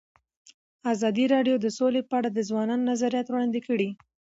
ازادي راډیو د سوله په اړه د ځوانانو نظریات وړاندې کړي.